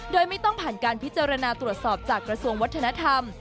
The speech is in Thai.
โดยไม่ต้องผ่านการพิจารณาตรวจสอบจากกระทรวงวัฒนธรรม